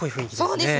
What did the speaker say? そうですね。